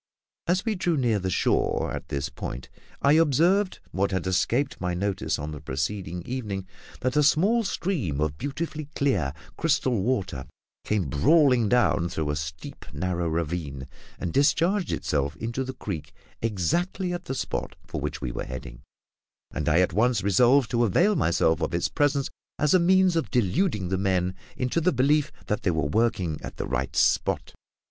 As we drew near the shore at this point I observed what had escaped my notice on the preceding evening that a small stream of beautifully clear, crystal water came brawling down through a steep, narrow ravine, and discharged itself into the creek exactly at the spot for which we were heading, and I at once resolved to avail myself of its presence as a means of deluding the men into the belief that they were working at the right spot.